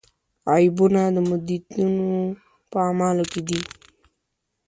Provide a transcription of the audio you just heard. عیبونه د متدینو په اعمالو کې دي.